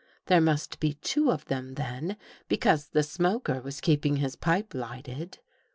There must be two of them then, because the smoker was keeping his pipe j lighted.